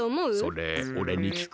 それおれにきく？